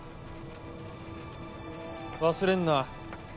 忘れんな。